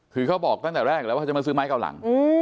คือเขาบอกตั้งแต่แรกแล้วว่าจะมาซื้อไม้เก่าหลัง